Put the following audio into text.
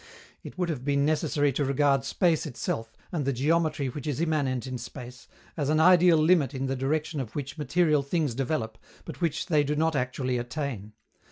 It would have been necessary to regard space itself, and the geometry which is immanent in space, as an ideal limit in the direction of which material things develop, but which they do not actually attain.